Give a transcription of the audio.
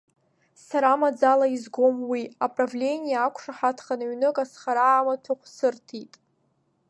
Сара маӡала изгом уи, аправление ақәшаҳаҭхан ҩнык азхара амаҭәахә сырҭеит.